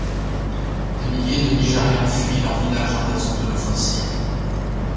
Des milliers de Nigérians fuient leur village en raison de l'offensive.